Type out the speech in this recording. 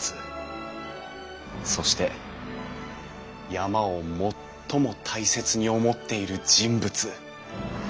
そして山を最も大切に思っている人物。